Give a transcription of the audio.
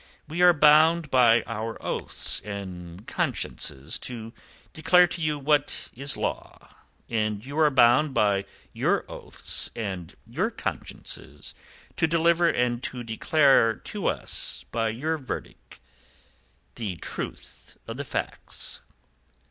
We are bound by our oaths and consciences to declare to you what is law; and you are bound by your oaths and your consciences to deliver and to declare to us by your verdict the truth of the facts."